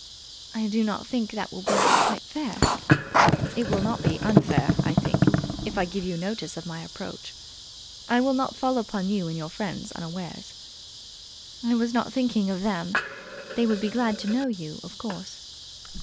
"I do not think that will be quite fair." "It will not be unfair, I think, if I give you notice of my approach. I will not fall upon you and your friends unawares." "I was not thinking of them. They would be glad to know you, of course."